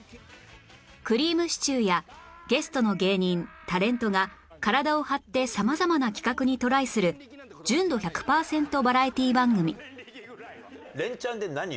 くりぃむしちゅーやゲストの芸人タレントが体を張って様々な企画にトライする純度１００パーセントバラエティー番組